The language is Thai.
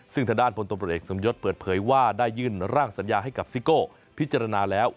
ซึ่งทดาลพตสมยศเปิดเผยว่าได้ยื่นร่างสัญญาให้กับซิโก้พิจารณาแล้ว